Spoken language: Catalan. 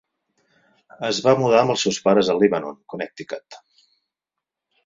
Es va mudar amb els seus pares a Lebanon, Connecticut.